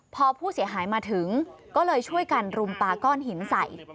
พอผู้เสียหายมาถึงก็เลยช่วยกันรุมปลาก้อนหินใส่